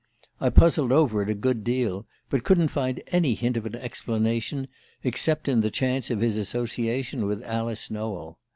I puzzled over it a good deal, but couldn't find any hint of an explanation except in the chance of his association with Alice Nowell.